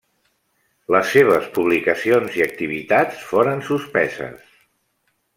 Les seves publicacions i activitats foren suspeses.